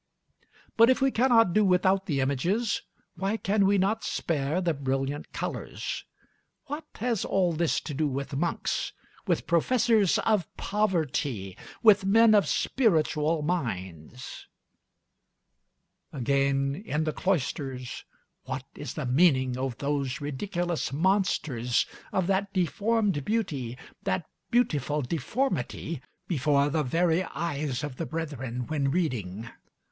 But if we cannot do without the images, why can we not spare the brilliant colors? What has all this to do with monks, with professors of poverty, with men of spiritual minds? Again, in the cloisters, what is the meaning of those ridiculous monsters, of that deformed beauty, that beautiful deformity, before the very eyes of the brethren when reading?